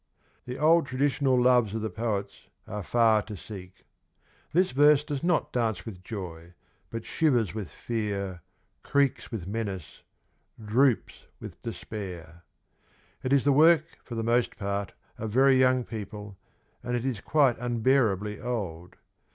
The old traditional loves of the poets are far to seek. This verse does not dance with joy, but shivers with fear, creaks with menace, droops with despair. It is the work for the most part of very young people, and it is quite unbearably old.